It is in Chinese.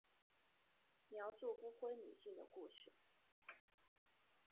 描述不婚女性的故事。